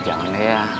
jangan deh ya